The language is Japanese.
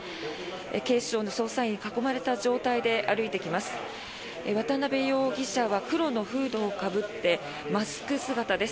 警視庁の捜査員に囲まれた状態で歩いてきます。